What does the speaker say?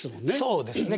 そうですね。